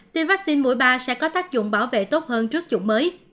tiêm vaccine mũi ba sẽ có tác dụng bảo vệ tốt hơn trước chủng mới